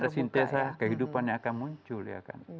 ada sintesa kehidupan yang akan muncul ya kan